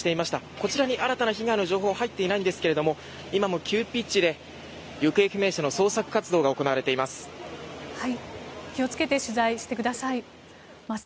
こちらに新たな被害の情報は入っていないんですが今も急ピッチで行方不明者の捜索活動が行われています。